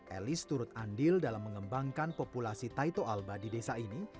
elis turut andil dalam mengembangkan populasi taito alba di desa ini